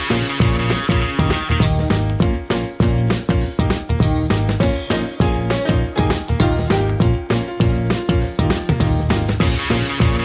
อุ้ยมันมันเยอะจังเลยอ่ะ